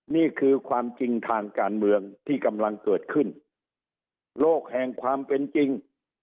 นี่คือความจริงทางการเมืองที่กำลังเกิดขึ้นโลกแห่งความเป็นจริง